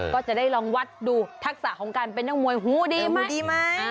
ก็จะได้ลองวัดดูทักษะของการเป็นนักมวยหูดีมากดีไหม